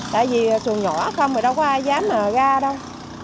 tại vì xuồng nhỏ không rồi đâu có ai dám mà ra đâu